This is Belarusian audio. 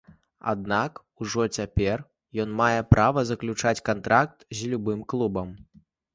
Аднак ужо цяпер ён мае права заключыць кантракт з любым клубам.